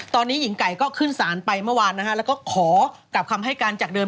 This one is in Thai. ตอนนี้หญิงไก่ก็ขึ้นสารไปเมื่อวานนะฮะแล้วก็ขอกลับคำให้การจากเดิม